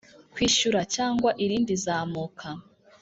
Kwishyura cyangwa irindi zamuka